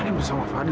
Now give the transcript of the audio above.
tidak pak fadil